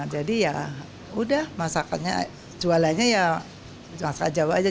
jadi ya udah masakannya jualannya ya masakan jawa aja